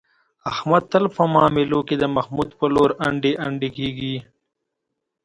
احمد تل په معاملو کې، د محمود په لور انډي انډي کېږي.